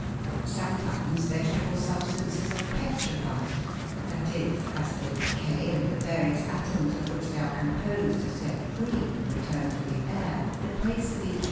Sometimes vegetable substances are petrified, that is, as they decay and the various atoms of which they are com posed are set free and returned to the air, the place of each DECAY OF VEGETABLE MATTER.